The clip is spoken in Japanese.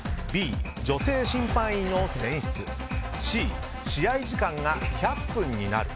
Ｂ、女性審判員の選出Ｃ、試合時間が１００分になる。